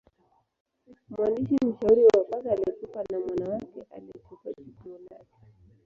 Mhandisi mshauri wa kwanza alikufa na mwana wake alichukua jukumu lake.